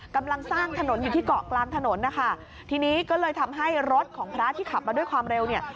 กำลังสร้างถนนอยู่ที่เกาะกลางถนนนะคะทีนี้ก็เลยทำให้รถของพระที่ขับมาด้วยความเร็วเนี่ย